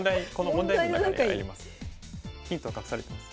ヒント隠されてます。